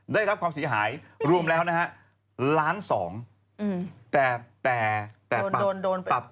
ได้รับความเสียหายรวมแล้ว๑๒ล้านแต่ปรับ๙๗๕บาท